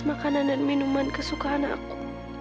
makanan dan minuman kesukaan aku